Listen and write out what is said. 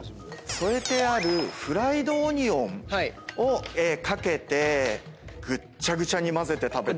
添えてあるフライドオニオンを掛けてぐっちゃぐちゃに混ぜて。